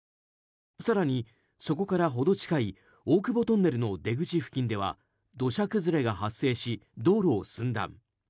更に、そこから程近い大久保トンネルの出口付近では土砂崩れが発生し、道路を寸断。